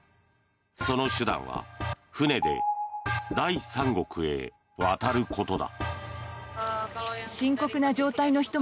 その手段は船で第三国へ渡ることだ。